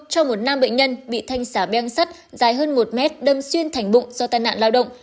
cho một nam bệnh nhân bị thanh xả beng sắt dài hơn một mét đâm xuyên thành bụng do tai nạn lao động